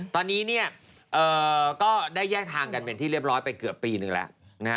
ตอนนี้เนี่ยก็ได้แยกทางกันเป็นที่เรียบร้อยไปเกือบปีหนึ่งแล้วนะฮะ